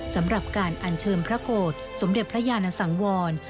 สำหรับการอัญเชิญพระโกรธสมเด็จพระยานสังวร